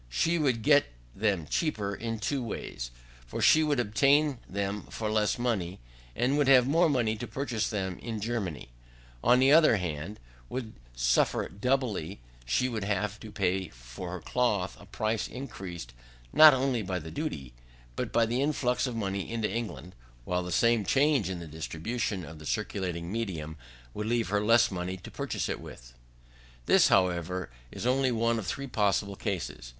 She would get them cheaper in two ways, for she would obtain them for less money, and would have more money to purchase them with. Germany, on the other hand, would suffer doubly: she would have to pay for her cloth a price increased not only by the duty, but by the influx of money into England, while the same change in the distribution of the circulating medium would leave her less money to purchase it with. This, however, is only one of three possible cases.